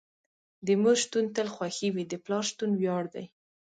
د مور شتون تل خوښې وي، د پلار شتون وياړ دي.